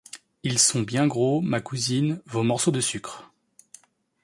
Ils sont bien gros, ma cousine, vos morceaux de sucre.